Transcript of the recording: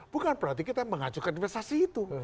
bukan berarti kita mengajukan investasi itu